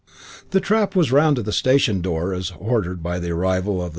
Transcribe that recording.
The trap was round to the station door as hordered by the arrival of the 9.